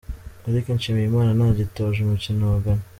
Eric Nshimiyimana ntagitoje umukino wa Ghana.